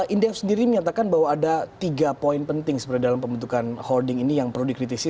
indef sendiri menyatakan bahwa ada tiga poin penting sebenarnya dalam pembentukan holding ini yang perlu dikritisi